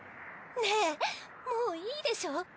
ねえもういいでしょ？